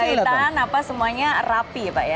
tapi kalau dari jahitan apa semuanya rapi ya pak ya